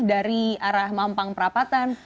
dari arah mampang perapatan